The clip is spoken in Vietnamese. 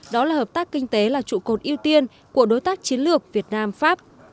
đó là hợp tác kinh tế là trụ cột ưu tiên của đối tác chiến lược việt nam pháp